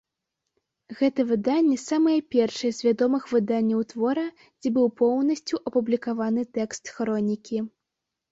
Гэта выданне самае першае з вядомых выданняў твора, дзе быў поўнасцю апублікаваны тэкст хронікі.